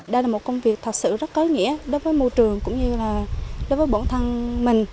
đây là một công việc thật sự rất có nghĩa đối với môi trường cũng như là đối với bản thân mình